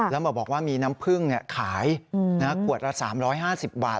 แล้วมาบอกว่ามีน้ำผึ้งขายขวดละ๓๕๐บาท